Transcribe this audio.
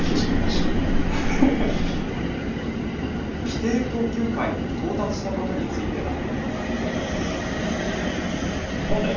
規定投球回に到達したことについては。